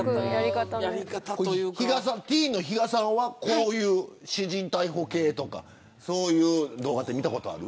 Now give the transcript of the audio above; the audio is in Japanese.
ティーンの比嘉さんはこういう私人逮捕系とかそういう動画って見たことある。